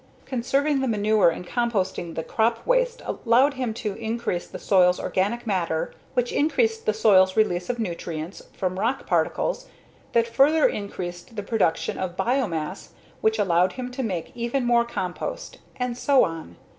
Conserving the manure and composting the crop waste allowed him to increase the soil's organic matter which increased the soil's release of nutrients from rock particles that further increased the production of biomass which allowed him to make even more compost and so on.